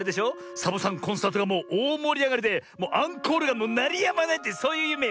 サボさんコンサートがもうおおもりあがりでもうアンコールがなりやまないってそういうゆめよね？